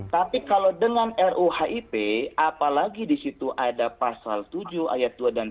tapi kalau dengan ruhip apalagi di situ ada pasal tujuh ayat dua dan tiga